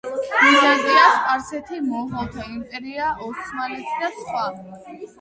ბიზანტია, სპარსეთი, მონღოლთა იმპერია, ოსმალეთი და სხვა